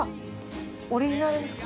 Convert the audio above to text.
オリジナルですか？